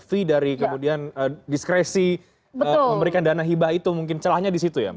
fee dari kemudian diskresi memberikan dana hibah itu mungkin celahnya di situ ya